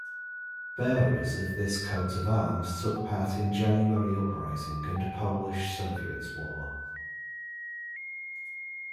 Bearers of this Coat of Arms took part in January Uprising and Polish-Soviet War.